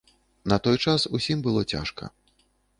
На той час усім было цяжка.